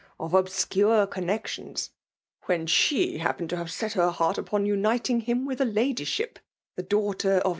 — of obscure cannexionsTT^ wheii: she happened to have set her heart uppP' upiti^ }um mth a ladyship — ^the daugbtfr of